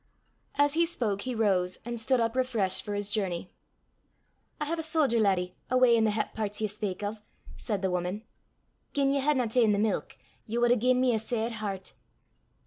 As he spoke he rose, and stood up refreshed for his journey. "I hae a sodger laddie awa' i' the het pairts ye spak o'," said the woman: "gien ye hadna ta'en the milk, ye wad hae gi'en me a sair hert."